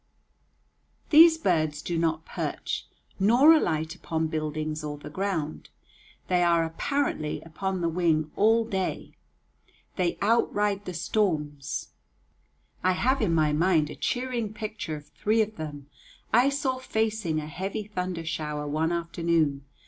These birds do not perch, nor alight upon buildings or the ground. They are apparently upon the wing all day. They outride the storms. I have in my mind a cheering picture of three of them I saw facing a heavy thunder shower one afternoon.